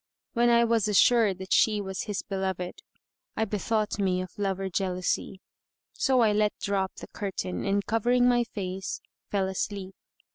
When I was assured that she was his beloved, I bethought me of lover jealousy; so I let drop the curtain and covering my face, fell asleep.